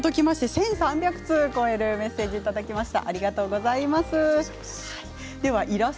１３００通を超えるメッセージをいただきました。